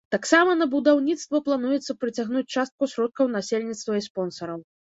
Таксама на будаўніцтва плануецца прыцягнуць частку сродкаў насельніцтва і спонсараў.